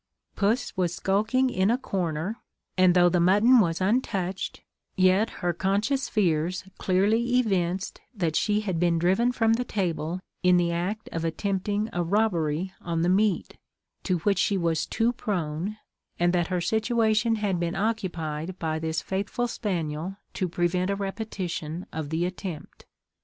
Puss was skulking in a corner, and though the mutton was untouched, yet her conscious fears clearly evinced that she had been driven from the table in the act of attempting a robbery on the meat, to which she was too prone, and that her situation had been occupied by this faithful spaniel to prevent a repetition of the attempt.